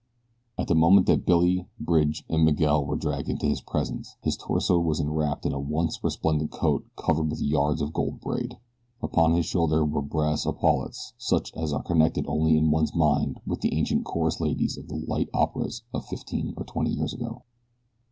At the moment that Billy, Bridge, and Miguel were dragged into his presence his torso was enwrapped in a once resplendent coat covered with yards of gold braid. Upon his shoulders were brass epaulets such as are connected only in one's mind with the ancient chorus ladies of the light operas of fifteen or twenty years ago.